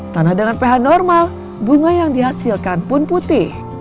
tanah dengan ph normal bunga yang dihasilkan pun putih